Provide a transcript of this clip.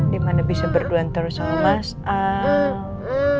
dimana bisa berdua antar soal masyarakat